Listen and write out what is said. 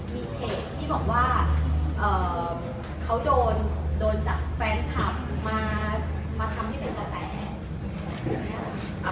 มีเพจที่บอกว่าเขาโดนจากแฟนคลับมาทำให้เป็นกระแส